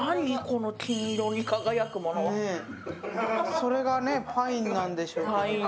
それがパインなんでしょうけど。